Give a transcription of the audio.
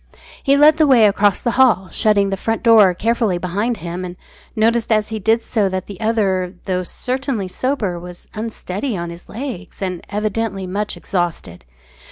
He led the way across the hall, shutting the front door carefully behind him, and noticed as he did so that the other, though certainly sober, was unsteady on his legs, and evidently much exhausted.